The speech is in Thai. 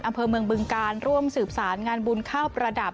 อำเภอเมืองบึงการร่วมสืบสารงานบุญข้าวประดับ